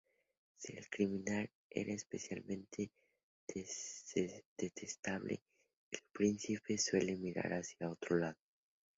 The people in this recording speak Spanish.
Si el criminal era especialmente detestable, el príncipe suele mirar hacia otro lado.